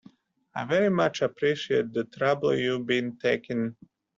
I very much appreciate the trouble you've been taking